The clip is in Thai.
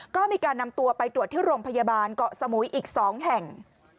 ก็มีการนำตัวไปตรวจที่โรงพยาบาลเกาะสมุยอีก๒แห่ง